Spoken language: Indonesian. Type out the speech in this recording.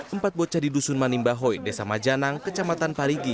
empat bocah di dusun manimba hoi desa majanang kecamatan paligi